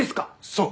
そう！